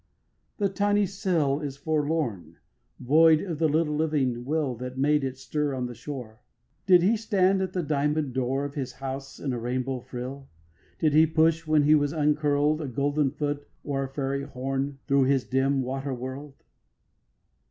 3. The tiny cell is forlorn, Void of the little living will That made it stir on the shore. Did he stand at the diamond door Of his house in a rainbow frill? Did he push, when he was uncurl'd, A golden foot or a fairy horn Thro' his dim water world?